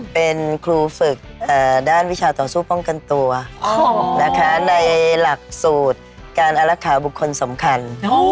เป็นครูฝึกด้านวิชาต่อสู้ป้องกันตัวนะคะในหลักสูตรการอารักษาบุคคลสำคัญ